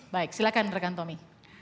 baik silakan rekan tommy